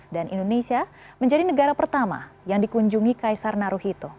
dan indonesia menjadi negara pertama yang dikunjungi kaisar naruhito